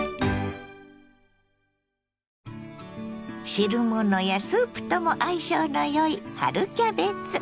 汁物やスープとも相性のよい春キャベツ。